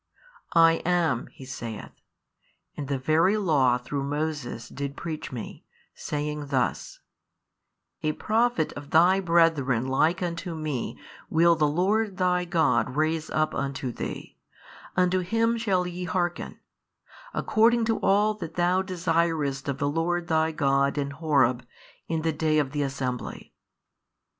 I am, He saith, and the very law through Moses did preach Me, saying thus, A Prophet of thy brethren like unto me will the Lord thy God raise up unto thee, unto Him shall ye hearken; according to all that thou desiredst of the Lord thy God in Horeb in the day of the assembly.